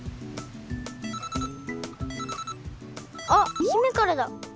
あっ姫からだ。